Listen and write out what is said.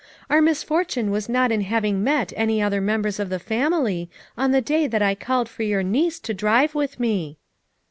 Our misfortune was in not having met any other members of the family on the day that I called for your niece to drive with me."